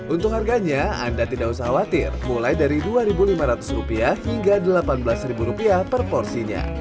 untuk harganya anda tidak usah khawatir mulai dari rp dua lima ratus hingga rp delapan belas per porsinya